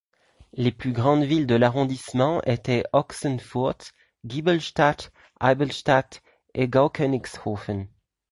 Les plus grandes villes de l'arrondissement étaient Ochsenfurt, Giebelstadt, Eibelstadt et Gaukönigshofen.